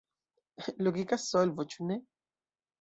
Logika solvo, ĉu ne?